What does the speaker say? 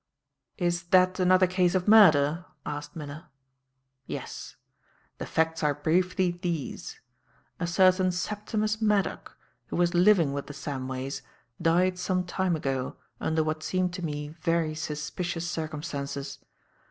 "Is that another case of murder?" asked Miller. "Yes. The facts are briefly these. A certain Septimus Maddock, who was living with the Samways, died some time ago under what seem to me very suspicious circumstances.